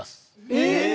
えっ